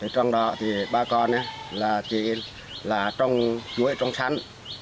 trong đó ba con chỉ là trồng chuối trồng sắn